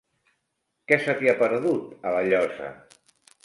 Què se t'hi ha perdut, a La Llosa?